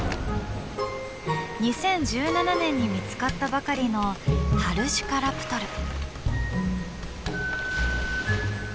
２０１７年に見つかったばかりのハルシュカラプトル。